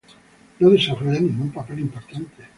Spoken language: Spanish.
No desarrolla ningún papel importante.